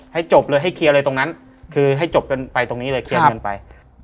ให้จบเลยให้เคลียร์อะไรตรงนั้นคือให้จบกันไปตรงนี้เลยเคลียร์เงินไป